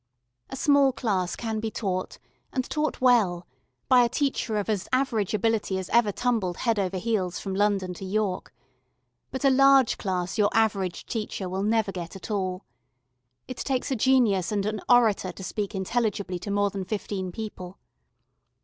A small class can be taught, and taught well, by a teacher of as average ability as ever tumbled head over heels from London to York, but a large class your average teacher will never get at at all. It takes a genius and an orator to speak intelligibly to more than fifteen people.